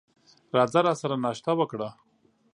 راځه راسره ناشته وکړه !